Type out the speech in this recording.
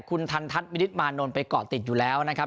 คุณทันทัศน์มินิษฐมานนท์ไปเกาะติดอยู่แล้วนะครับ